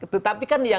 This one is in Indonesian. tetapi kan yang